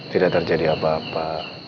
tidak terjadi apa apa